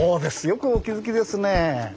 よくお気付きですね。